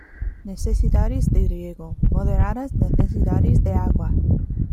Necesidades de riego: Moderadas necesidades de agua.